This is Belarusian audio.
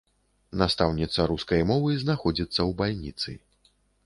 Настаўніца рускай мовы знаходзіцца ў бальніцы.